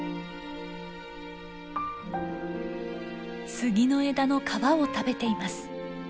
スギの枝の皮を食べています。